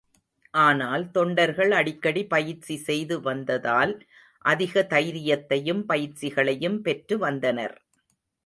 ஆனால், தொண்டர்கள் அடிக்கடி பயிற்சி செய்து வந்ததால், அதிக தைரியத்தையும் பயிற்சிகளையும் பெற்று வந்தனர்.